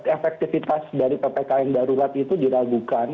efektivitas dari ppkm darurat itu diragukan